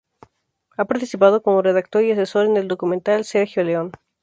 Ha participado como redactor y asesor en el documental "Sergio Leone.